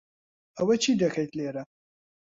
ئەوە چی دەکەیت لێرە؟